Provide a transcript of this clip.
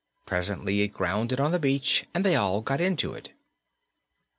Presently it grounded on the beach and they all got into it.